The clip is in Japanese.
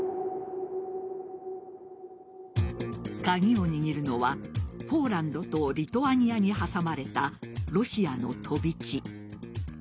鍵を握るのはポーランドとリトアニアに挟まれたロシアの飛び地。